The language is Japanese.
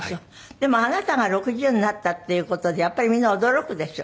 でもあなたが６０になったっていう事でやっぱりみんな驚くでしょ？